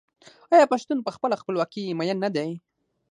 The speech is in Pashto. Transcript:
آیا پښتون په خپله خپلواکۍ مین نه دی؟